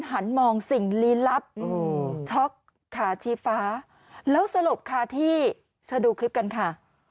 หันมองสิ่งลี้ลับช็อกขาชีฟ้าแล้วสลบค่ะที่จะดูคลิปกันค่ะ